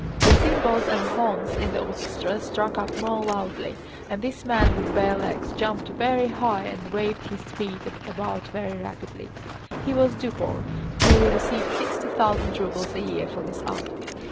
The cymbals and horns in the orchestra struck up more loudly, and this man with bare legs jumped very high and waved his feet about very rapidly. (He was Duport, who received sixty thousand rubles a year for this art.)